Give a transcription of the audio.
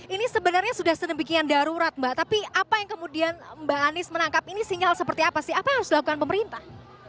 ini sebenarnya sudah sedemikian darurat mbak tapi apa yang kemudian mbak anies menangkap ini sinyal seperti apa sih apa yang harus dilakukan pemerintah